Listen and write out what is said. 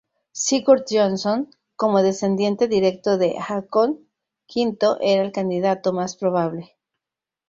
Sigurd Jonsson, como descendiente directo de Haakon V, era el candidato más probable.